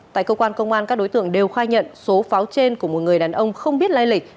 tại cơ quan công an các đối tượng đều khai nhận số pháo trên của một người đàn ông không biết lai lịch